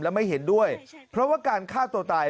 และไม่เห็นด้วยเพราะว่าการฆ่าตัวตาย